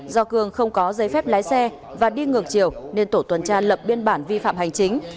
do cường không có giấy phép lái xe và đi ngược chiều nên tổ tuần tra lập biên bản vi phạm hành chính